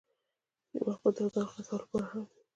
ځینې وخت به د ځان خلاصولو لپاره هم وې.